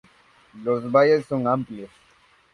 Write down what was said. Los valles son amplios.